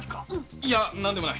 いや何でもない。